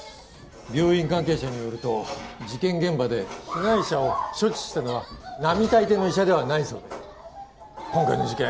病院関係者によると事件現場で被害者を処置したのは並大抵の医者ではないそうで今回の事件